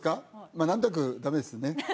まあ何となくダメですね